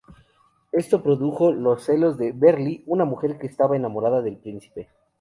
Esto produjo los celos de Beryl, una mujer que estaba enamorada del príncipe.